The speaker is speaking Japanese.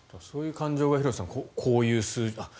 そういう感情がこういう数字に。